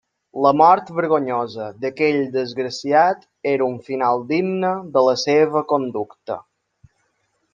La mort vergonyosa d'aquell desgraciat era un final digne de la seua conducta.